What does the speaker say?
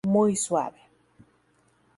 Muy suave".